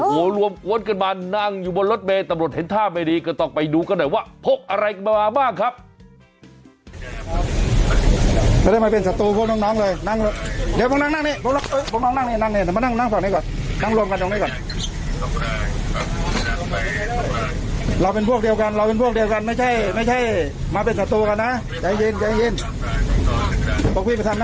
โอ้โหรวมกวนกันมานั่งอยู่บนรถเมย์ตำรวจเห็นท่าไม่ดีก็ต้องไปดูกันหน่อยว่าพกอะไรกันมาบ้างครับ